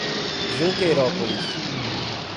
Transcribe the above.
Junqueirópolis